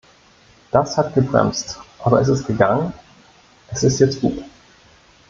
Das hat gebremst, aber es ist gegangen, es ist jetzt gut.